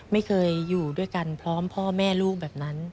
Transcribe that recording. ไม่เคยอยู่ด้วยกันพร้อมพ่อแม่ลูกแบบนั้น